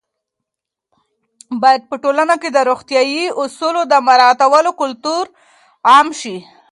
باید په ټولنه کې د روغتیايي اصولو د مراعاتولو کلتور عام شي.